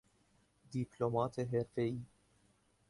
دیپلمات حرفهای